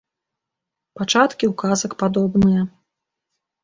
Пачаткі у казак падобныя.